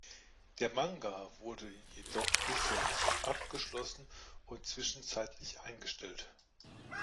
Der Manga wurde jedoch bisher nicht abgeschlossen und zwischenzeitlich eingestellt.